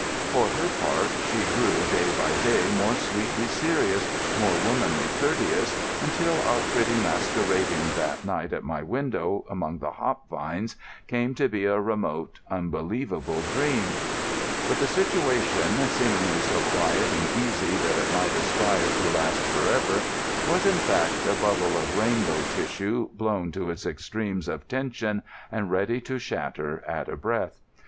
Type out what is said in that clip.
For her part, she grew day by day more sweetly serious, more womanly courteous, until our pretty masquerading that night at my window among the hop vines came to be a remote, unbelievable dream. But the situation, seemingly so quiet and easy that it might aspire to last for ever, was, in fact, a bubble of rainbow tissue blown to its extremes of tension and ready to shatter at a breath.